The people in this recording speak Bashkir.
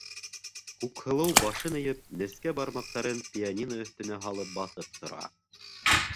Күкһылыу башын эйеп, нескә бармаҡтарын пианино өҫтөнә һалып баҫып тора.